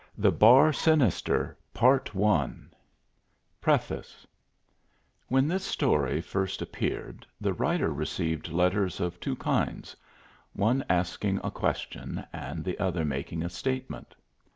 THE BAR SINISTER PREFACE When this story first appeared, the writer received letters of two kinds, one asking a question and the other making a statement.